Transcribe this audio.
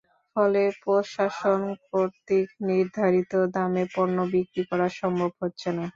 ফলে প্রশাসন কর্তৃক নির্ধারিত দামে পণ্য বিক্রি করা সম্ভব হচ্ছে না।